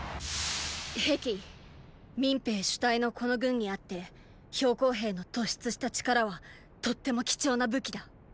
壁民兵主体のこの軍にあって公兵の突出した力はとっても貴重な武器だ。